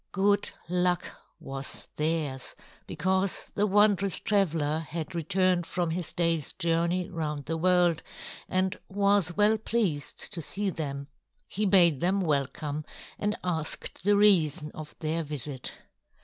Good luck was theirs, because the wondrous traveler had returned from his day's journey round the world and was well pleased to see them. He bade them welcome and asked the reason of their visit.